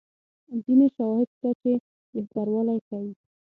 ځیني شواهد شته چې بهتروالی ښيي.